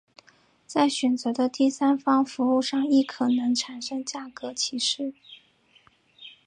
在选择的第三方服务上亦可能产生价格歧视。